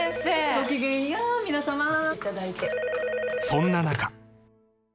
☎［そんな中］